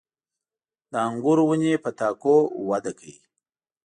• د انګورو ونې په تاکو وده کوي.